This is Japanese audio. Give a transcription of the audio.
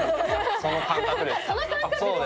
その感覚です。